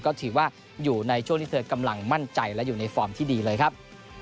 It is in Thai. ก็ถือว่าอยู่ในช่วงที่เธอกำลังมั่นใจและอยู่ในฟอร์มที่ดีเลยครับ